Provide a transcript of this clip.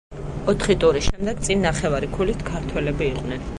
ოთხი ტურის შემდეგ წინ ნახევარი ქულით ქართველები იყვნენ.